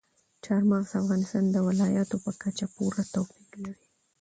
چار مغز د افغانستان د ولایاتو په کچه پوره توپیر لري.